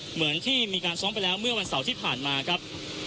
เหมือนที่มีการซ้อมไปแล้วเมื่อวันเสาร์ที่ผ่านมาครับ